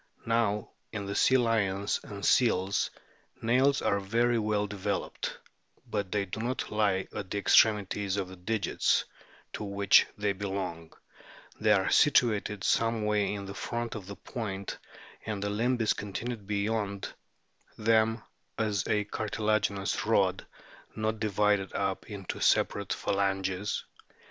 Now in the Sea lions and Seals nails are fairly well developed ; but they do not lie at the extremities 22 A BOOK OF WHALES of the digits to which they belong ; they are situated some way in front of this point, and the limb is continued beyond them as a cartilaginous rod, not divided up into separate phalanges.